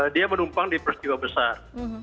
dia menumpang di peristiwa besar